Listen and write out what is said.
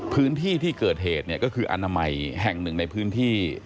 พื้นที่ที่เกิดเหตุเนี่ยก็คืออนามัยแห่งหนึ่งในพื้นที่